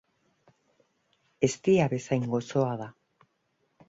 Eztia bezain gozoa da.